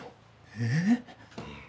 えっ？